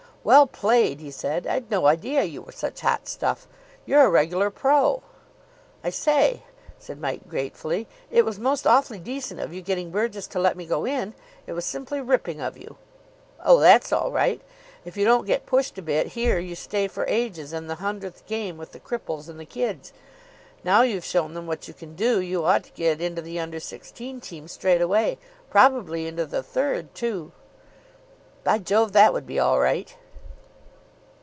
"Well played," he said. "I'd no idea you were such hot stuff. You're a regular pro." "I say," said Mike gratefully, "it was most awfully decent of you getting Burgess to let me go in. It was simply ripping of you." "Oh, that's all right. If you don't get pushed a bit here you stay for ages in the hundredth game with the cripples and the kids. Now you've shown them what you can do you ought to get into the Under Sixteen team straight away. Probably into the third, too." "By Jove, that would be all right."